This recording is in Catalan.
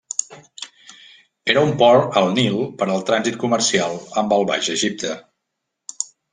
Era un port al Nil per al trànsit comercial amb el Baix Egipte.